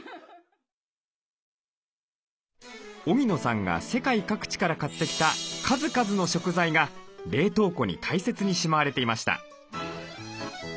荻野さんが世界各地から買ってきた数々の食材が冷凍庫に大切にしまわれていました。